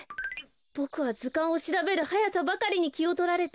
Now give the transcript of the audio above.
ボクはずかんをしらべるはやさばかりにきをとられて。